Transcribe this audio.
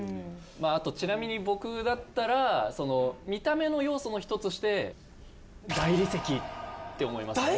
あとちなみに僕だったら見た目の要素の１つとして大理石って思いますね。